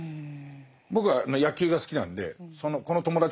僕は野球が好きなんでこの友達関係をね